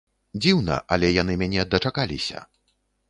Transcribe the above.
Дзіўна, але яны мяне дачакаліся.